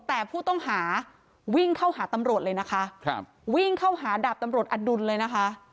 แต่ผู้ต้องหาวิ่งเข้าหาตำรวจเลยนะคะครับวิ่งเข้าหาดาบตำรวจอดุลเลยนะคะ